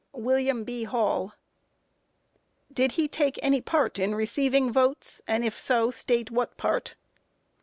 A. William B. Hall. Q. Did he take any part in receiving votes, and, if so, state what part?